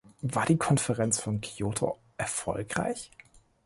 War die Konferenz von Kyoto erfolgreich?